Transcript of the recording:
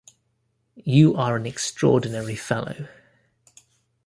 You are an extraordinary fellow.